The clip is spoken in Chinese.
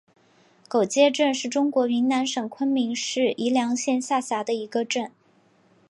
狗街镇是中国云南省昆明市宜良县下辖的一个镇。